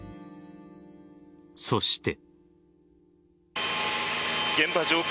そして。